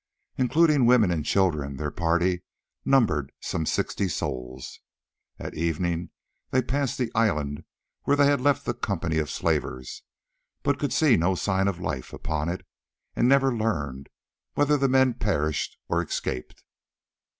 Including women and children their party numbered some sixty souls. At evening they passed the island where they had left the company of slavers, but could see no sign of life upon it, and never learned whether the men perished or escaped.